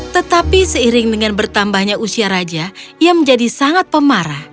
tetapi seiring dengan bertambahnya usia raja ia menjadi sangat pemarah